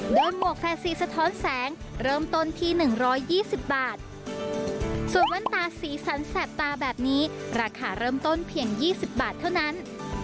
โดยหมวกแฟนซีสะท้อนแสงเริ่มต้นที่๑๒๐บาทส่วนแว่นตาสีสันแสบตาแบบนี้ราคาเริ่มต้นเพียง๒๐บาทเท่านั้น